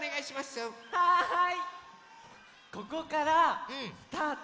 はい。